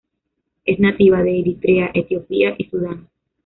Es nativa de Eritrea, Etiopía y Sudán.